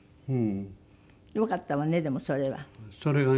よかったわねでもそれは。